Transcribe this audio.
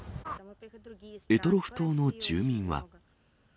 択捉島の住民は。